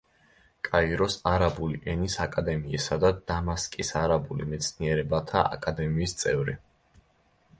კაიროს არაბული ენის აკადემიისა და დამასკის არაბული მეცნიერებათა აკადემიის წევრი.